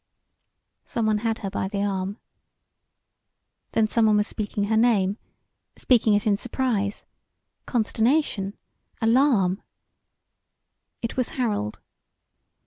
Someone had her by the arm. Then someone was speaking her name; speaking it in surprise consternation alarm. It was Harold.